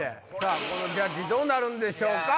このジャッジどうなるんでしょうか？